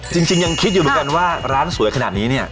จริงยังคิดอยู่เหมือนกันว่าร้านสวยขนาดนี้เนี่ย